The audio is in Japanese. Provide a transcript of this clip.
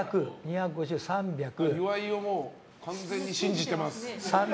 岩井を完全に信じています。